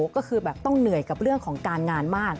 ก็คือแบบต้องเหนื่อยกับเรื่องของการงานมาก